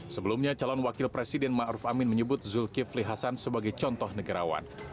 sebelumnya calon wakil presiden ma'ruf amin menyebut zulkifli hasan sebagai contoh negarawan